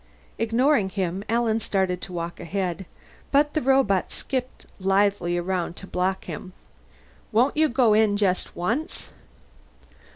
Ignoring him, Alan started to walk ahead, but the robot skipped lithely around to block him. "Won't you go in just once?"